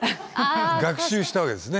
学習したわけですね。